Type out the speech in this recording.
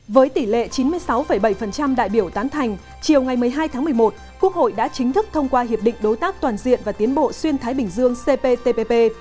với tỷ lệ chín mươi sáu bảy đại biểu tán thành chiều ngày một mươi hai tháng một mươi một quốc hội đã chính thức thông qua hiệp định đối tác toàn diện và tiến bộ xuyên thái bình dương cptpp